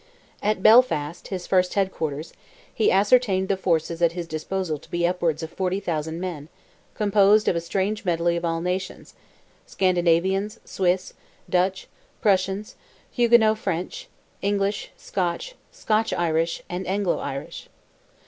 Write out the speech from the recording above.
At Belfast, his first head quarters, he ascertained the forces at his disposal to be upwards of 40,000 men, composed of "a strange medley of all nations"—Scandinavians, Swiss, Dutch, Prussians, Huguenot French, English, Scotch, "Scotch Irish," and Anglo Irish.